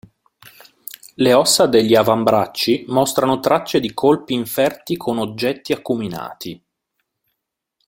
Le ossa degli avambracci mostrano tracce di colpi inferti con oggetti acuminati.